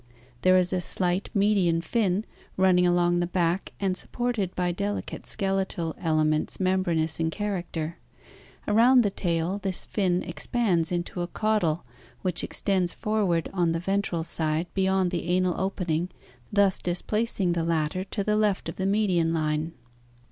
There is a slight median fin running along the back and supported by delicate skeletal elements membranous in character. Around the tail this fin expands into a caudal which extends forward on the ventral side beyond the anal opening, thus displacing the latter to the left of the median line.